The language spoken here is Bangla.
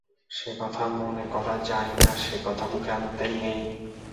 যে কথা মনে করা যায় না সে কথা মুখে আনতে নেই।